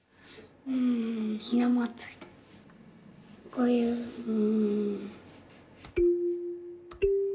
こういうん。